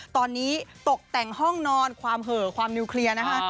ตอนนี้ตกแต่งห้องนอนความเห่อความนิวเคลียร์นะคะ